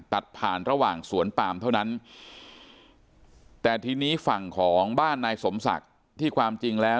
ตัดผ่านระหว่างสวนปามเท่านั้นแต่ทีนี้ฝั่งของบ้านนายสมศักดิ์ที่ความจริงแล้ว